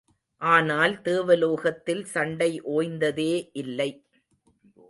ஆனால், தேவலோகத்தில் சண்டை ஓய்ந்ததே இல்லை.